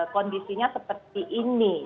kondisinya seperti ini